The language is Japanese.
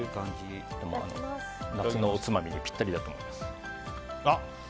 夏のおつまみにぴったりだと思います。